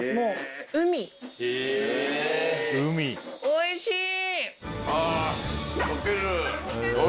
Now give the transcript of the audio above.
おいしい！